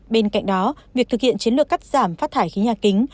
bên cạnh đó việc thực hiện chiến lược cắt giảm phát thải khí nhà kính